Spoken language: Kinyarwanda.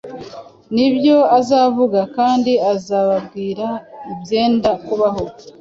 ni byo azavuga: kandi azababwira ibyenda kubaho.